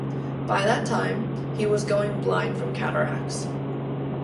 By that time, he was going blind from cataracts.